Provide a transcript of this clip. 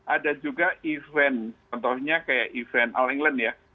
ada juga event contohnya kayak event all england ya